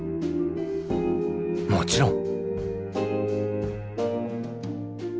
もちろん！